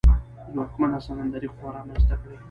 ځواکمنه سمندري قوه رامنځته کړي.